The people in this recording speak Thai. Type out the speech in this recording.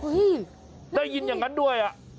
ได้ยินอย่างนั้นด้วยอ่ะ